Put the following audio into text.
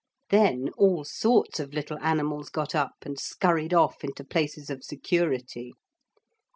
Then all sorts of little animals got up and scurried off into places of security.